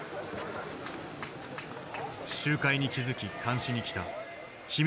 集会に気付き監視に来た秘密